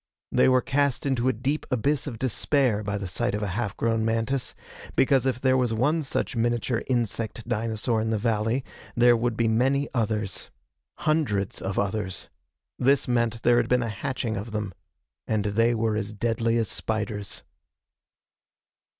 They were cast into a deep abyss of despair by the sight of a half grown mantis, because if there was one such miniature insect dinosaur in the valley, there would be many others. Hundreds of others. This meant there had been a hatching of them. And they were as deadly as spiders.